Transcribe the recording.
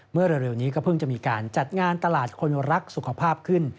เมื่อเร็วนี้ก็เพิ่งจะมีการจัดงานตลาดคนรักสุขภาพขึ้น